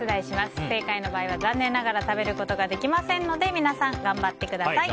不正解の場合は、残念ながら食べることができませんので皆さん、頑張ってください。